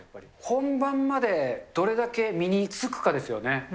本番までどれだけ身につくかですよね。